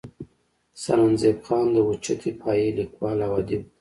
سرنزېب خان د اوچتې پائې ليکوال او اديب وو